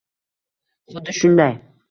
Xuddi shunday